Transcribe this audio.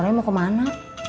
uda sore mau ke mana